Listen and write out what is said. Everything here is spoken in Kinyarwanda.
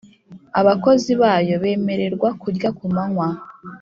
abakozi bayo bemererwa kurya kumanywa